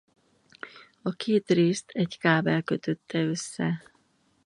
A két részt egy kábel kötötte össze.